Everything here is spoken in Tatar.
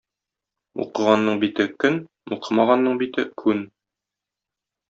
Укыганның бите — көн, укымаганның бите — күн.